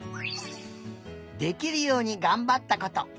できるようにがんばったこと。